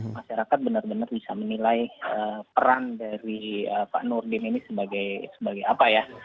masyarakat benar benar bisa menilai peran dari pak nurdin ini sebagai apa ya